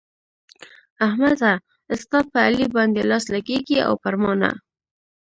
احمده! ستا په علي باندې لاس لګېږي او پر ما نه.